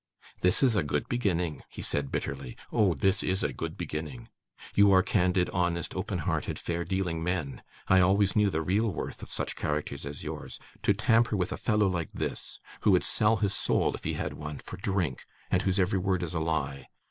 'This is a good beginning,' he said bitterly. 'Oh! this is a good beginning. You are candid, honest, open hearted, fair dealing men! I always knew the real worth of such characters as yours! To tamper with a fellow like this, who would sell his soul (if he had one) for drink, and whose every word is a lie.